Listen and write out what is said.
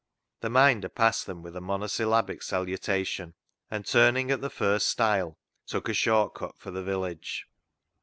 The Minder passed them with a mono syllabic salutation, and turning at the first stile, took a short cut for the village.